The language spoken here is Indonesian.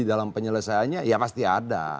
dalam penyelesaiannya ya pasti ada